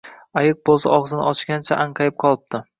Ayiq bo’lsa, og’zini ochgancha anqayib qolibdi